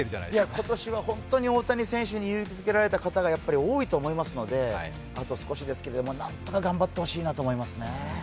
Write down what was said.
今年は本当に大谷選手に勇気づけられた方が多いと思いますのであと少しですけれどもなんとか頑張ってほしいなと思いますね。